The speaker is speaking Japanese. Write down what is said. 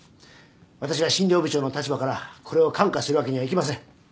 私は診療部長の立場からこれを看過するわけにはいきません。